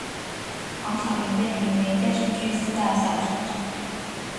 黄晓明被评为电视剧四大小生之一。